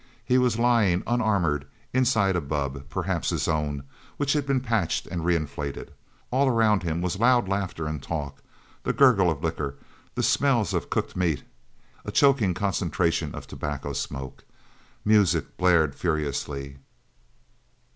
He was lying, unarmored, inside a bubb perhaps his own, which had been patched and reinflated. All around him was loud laughter and talk, the gurgle of liquor, the smells of cooked meat, a choking concentration of tobacco smoke. Music blared furiously.